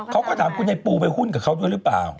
เขาก็ถามคุณไอ้ปูไปหุ้นกับเขาด้วยหรือเปล่า